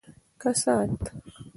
کسات